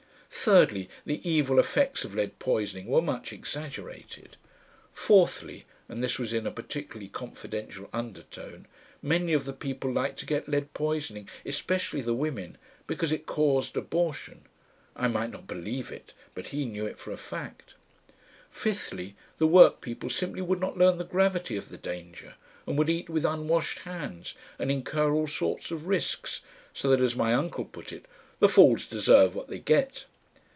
Thirdly, the evil effects of lead poisoning were much exaggerated. Fourthly, and this was in a particularly confidential undertone, many of the people liked to get lead poisoning, especially the women, because it caused abortion. I might not believe it, but he knew it for a fact. Fifthly, the work people simply would not learn the gravity of the danger, and would eat with unwashed hands, and incur all sorts of risks, so that as my uncle put it: "the fools deserve what they get."